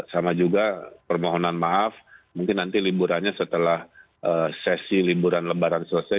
sama juga permohonan maaf mungkin nanti liburannya setelah sesi liburan lebaran selesai